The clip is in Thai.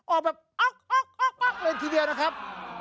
ออกแบบเลยทีเดียวนะครับ